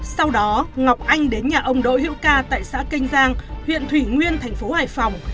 sau đó ngọc anh đến nhà ông đỗ hữu ca tại xã kênh giang huyện thủy nguyên thành phố hải phòng